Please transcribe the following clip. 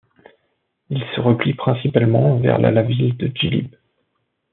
Ils se replient principalement vers lala ville de Jilib.